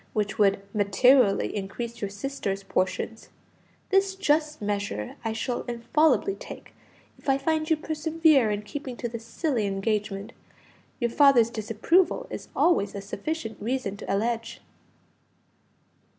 which would materially increase your sisters' portions; this just measure I shall infallibly take if I find you persevere in keeping to this silly engagement. Your father's disapproval is always a sufficient reason to allege."